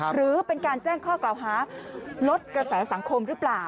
หรือเป็นการแจ้งข้อกล่าวหาลดกระแสสังคมหรือเปล่า